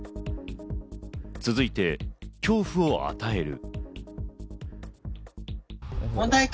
続いて、恐怖を与える。